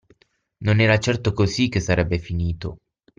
Non era certo così che sarebbe finito.